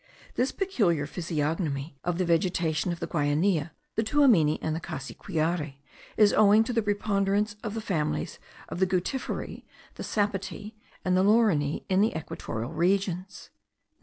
This peculiar physiognomy* of the vegetation of the Guainia, the Tuamini, and the Cassiquiare, is owing to the preponderance of the families of the guttiferae, the sapotae, and the laurineae, in the equatorial regions.